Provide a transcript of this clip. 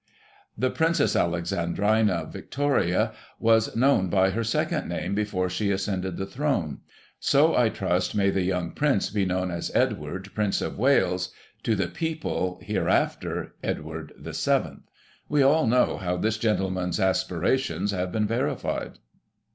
. "The Princess Alexandrina Victoria was known by her second name before she ascended the throne. So, I trust, may the young Prince be known as Edward, Prince of Wales, to the people, hereafter, Edward VII." We all know how this gentleman's aspirations have been verified.